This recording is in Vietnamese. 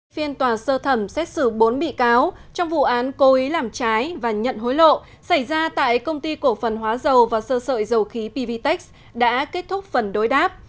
phiên tòa sơ thẩm xét xử bốn bị cáo trong vụ án cố ý làm trái và nhận hối lộ xảy ra tại công ty cổ phần hóa dầu và sơ sợi dầu khí pvtec đã kết thúc phần đối đáp